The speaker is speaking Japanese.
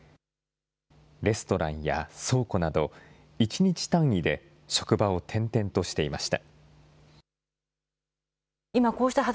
レストランや倉庫など、１日単位で職場を転々としていました。